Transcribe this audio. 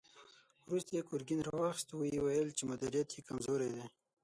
وروسته يې ګرګين را واخيست، ويې ويل چې مديريت يې کمزوری دی.